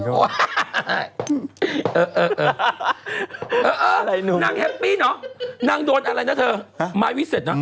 นางแฮปปี้เนอะนางโดนอะไรนะเธอไม้วิเศษเนอ